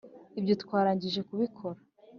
ibyo twarangije kubikora.